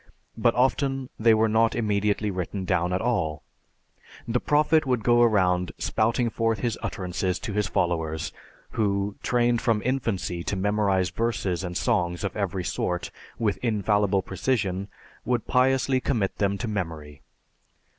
But often they were not immediately written down at all; the Prophet would go around spouting forth his utterances to his followers, who, trained from infancy to memorize verses and songs of every sort with infallible precision, would piously commit them to memory.